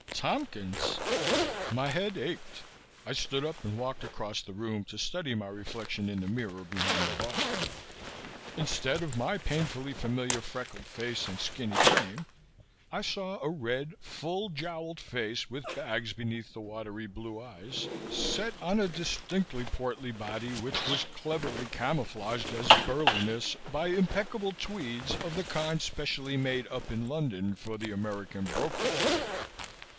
Tompkins! My head ached. I stood up and walked across the room to study my reflection in the mirror behind the bar. Instead of my painfully familiar freckled face and skinny frame, I saw a red, full jowled face with bags beneath the watery blue eyes, set on a distinctly portly body which was cleverly camouflaged as burliness by impeccable tweeds of the kind specially made up in London for the American broker's trade.